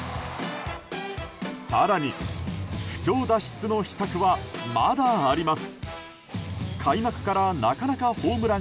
更に、不調脱出の秘策はまだあります。